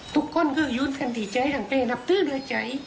ทุกคนคือยุนทันที่ใจดังเปลี่ยนับพืชด้วยใจ